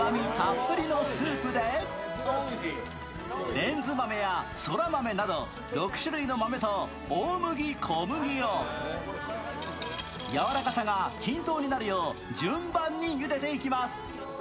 レンズ豆やそら豆など６種類の豆と大麦、小麦をやわらかさが均等になるよう順番にゆでていきます。